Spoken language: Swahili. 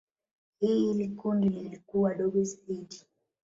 Hili kundi lilikuwa dogo zaidi.